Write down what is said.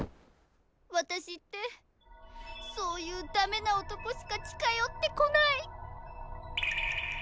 私ってそういうダメな男しか近寄ってこない。